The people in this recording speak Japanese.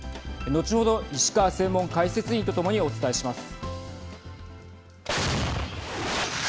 後ほど、石川専門解説委員と共にお伝えします。